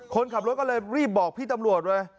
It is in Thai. คนขับรถก็เลยรีบบอกพี่ตำรวจเว้ย